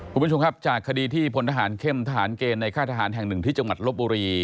คุณผู้ชมครับจากคดีที่พลทหารเข้มทหารเกณฑ์ในค่ายทหารแห่งหนึ่งที่จังหวัดลบบุรี